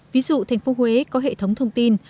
ví dụ thành phố huế có hệ thống thông tin